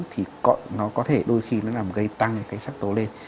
thì nó có thể đôi khi nó làm gây tăng cái sắc tố lên